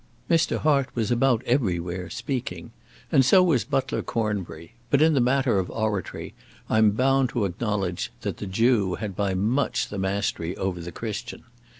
Mr. Hart was about everywhere speaking, and so was Butler Cornbury; but in the matter of oratory I am bound to acknowledge that the Jew had by much the mastery over the Christian.